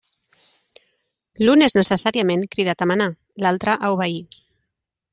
L'un és necessàriament cridat a manar, l'altre a obeir.